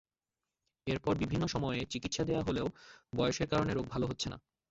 এরপর বিভিন্ন সময়ে চিকিত্সা দেওয়া হলেও বয়সের কারণে রোগ ভালো হচ্ছে না।